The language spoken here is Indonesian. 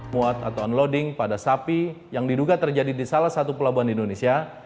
muat atau unloading pada sapi yang diduga terjadi di salah satu pelabuhan di indonesia